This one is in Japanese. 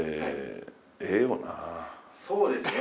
そうですね。